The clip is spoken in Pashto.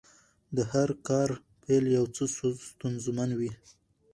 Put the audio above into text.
د هر کار پیل یو څه ستونزمن وي.